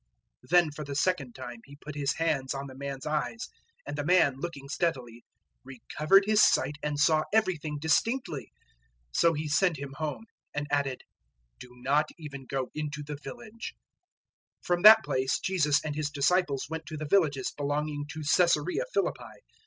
008:025 Then for the second time He put His hands on the man's eyes, and the man, looking steadily, recovered his sight and saw everything distinctly. 008:026 So He sent him home, and added, "Do not even go into the village." 008:027 From that place Jesus and His disciples went to the villages belonging to Caesarea Philippi.